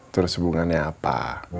terus hubungannya apa